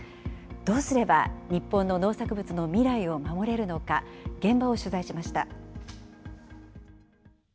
どうすれば日本の農作物の未来を守れるのか、現場を取材しました。